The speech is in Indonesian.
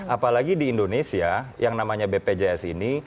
apalagi di indonesia yang namanya bpjs ini